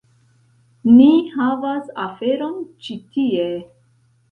Ni havas aferon ĉi tie.